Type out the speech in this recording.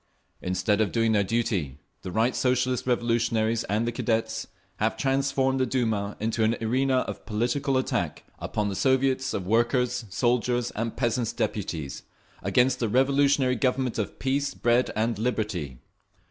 Instead of doing their duty, the Right Socialist Revolutionaries and the Cadets have transformed the Duma into an arena of political attack upon the Soviets of Workers', Soldiers' and Peasants' Deputies, against the revolutionary Government of peace, bread and liberty.